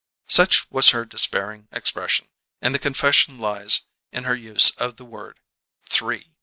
Such was her despairing expression, and the confession lies in her use of the word "three."